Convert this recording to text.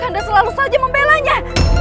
kanda selalu saja membelanya